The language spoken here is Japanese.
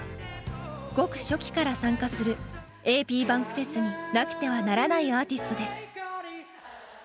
ごく初期から参加するａｐｂａｎｋｆｅｓになくてはならないアーティストです。